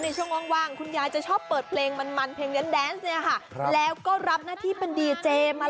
นี่คุณสุดจริงเต็มคาราเบลนะคะ